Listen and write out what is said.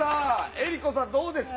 江里子さん、どうですか。